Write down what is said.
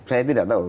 saya tidak tahu